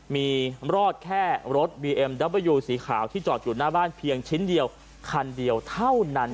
มีรอดแค่รถบีเอ็มดับเบอร์ยูสีขาวที่จอดอยู่หน้าบ้านเพียงชิ้นเดียวคันเดียวเท่านั้น